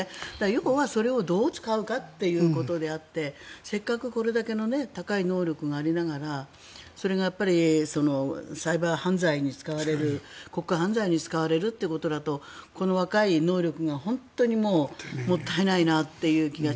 要はどう使うかということであってせっかくこれだけの高い能力がありながらそれがサイバー犯罪に使われる国家犯罪に使われるということだとこの若い能力が、本当にもったいないなという気が。